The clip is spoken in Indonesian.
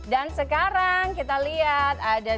dan sekarang kita lihat ada